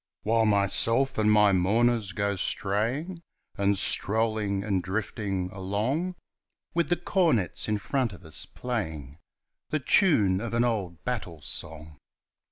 While myself and my mourners go straying And strolling and drifting along, With the cornets in front of us playing The tune of an old battle song!